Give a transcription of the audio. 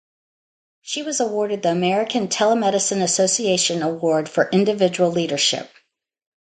She was awarded the American Telemedicine Association award for Individual Leadership.